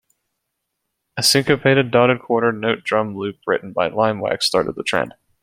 A syncopated, dotted quarter note drum loop written by Limewax started the trend.